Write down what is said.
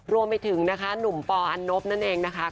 รวมไปถึงนะคะหนุ่มปออันนบนั่นเองนะคะ